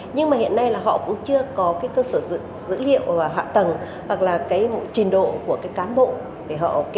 nhưng hiện nay họ cũng chưa có cơ sở dữ liệu hoạt tầng hoặc trình độ của cán bộ